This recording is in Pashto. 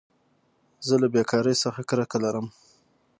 زه له بېکارۍ څخه کرکه لرم.